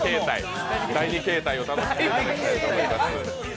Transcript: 第２形態を楽しんでいただきたいと思います。